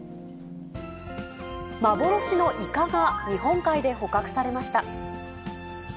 幻のイカが日本海で捕獲されました。